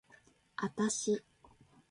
あたし